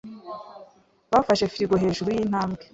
Bafashe firigo hejuru yintambwe.